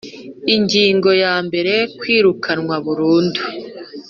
Ingingo ya mbere Kwirukanwa burundu